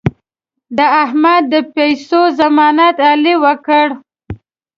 د احمد د پیسو ضمانت علي وکړ.